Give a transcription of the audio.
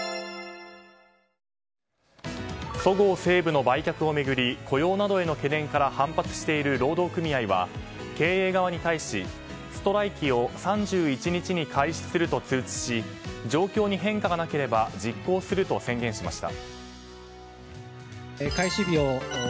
そごう・西武の売却を巡り雇用などへの懸念から反発している労働組合は経営側に対し、ストライキを３１日に開始すると通知し状況に変化がなければ実行すると宣言しました。